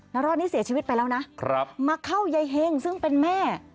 รอดนี่เสียชีวิตไปแล้วนะมาเข้ายายเฮงซึ่งเป็นแม่